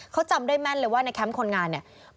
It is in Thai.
เขาจำได้แม่นเลยว่าในแคมป์คนงานเนี่ย